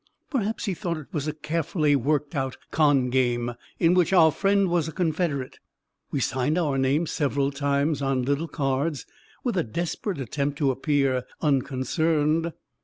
Perhaps he thought it was a carefully worked out con game, in which our friend was a confederate. We signed our name several times, on little cards, with a desperate attempt to appear unconcerned.